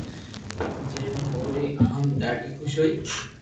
جي مون اوري عوام ڌاڌي خوݾ ھتي